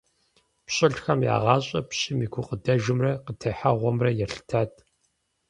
Пщылӏхэм я гъащӀэр пщым и гукъыдэжымрэ къытехьэгъуэмрэ елъытат.